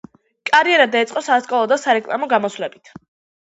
კარიერა დაიწყო სასკოლო და სარეკლამო გამოსვლებით.